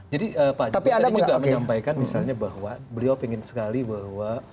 jadi pak ajudan tadi juga menyampaikan misalnya bahwa beliau ingin sekali bahwa